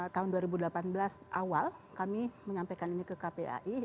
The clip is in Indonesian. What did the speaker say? tahun dua ribu delapan belas awal kami menyampaikan ini ke kpai